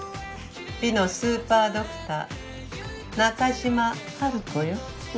美のスーパードクター中島ハルコよ。